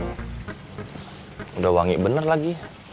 sudah wangi bener lagi